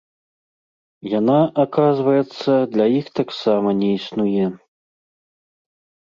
Яна, аказваецца, для іх таксама не існуе!